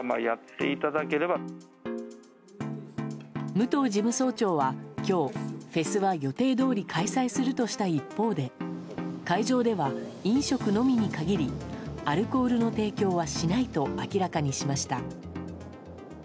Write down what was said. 武藤事務総長は今日フェスは予定どおり開催するとした一方で会場では飲食のみに限りアルコールの提供はしないと明らかにしました。